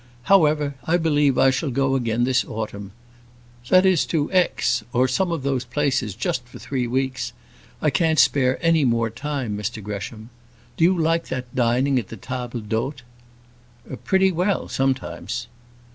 However, I believe I shall go again this autumn. That is to Aix, or some of those places; just for three weeks. I can't spare any more time, Mr Gresham. Do you like that dining at the tables d'hôte?" "Pretty well, sometimes."